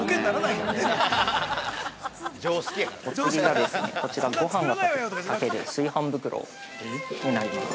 ◆お次がですね、こちらごはんが炊ける炊飯袋になります。